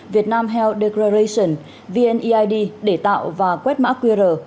vietnam health declaration vneid để tạo và quét mã qr